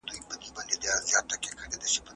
هغوی د شفتالو په خوړلو اخته دي.